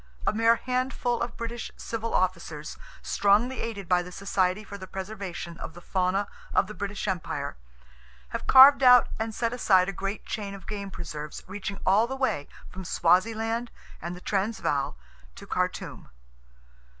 A mere handful of British civil officers, strongly aided by the Society for the Preservation of the Fauna of the British Empire, have carved out and set aside a great chain of game preserves reaching all the way from Swaziland and the Transvaal to Khartoum.